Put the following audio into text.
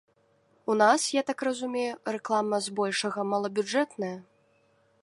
У нас, я так разумею, рэклама збольшага малабюджэтная?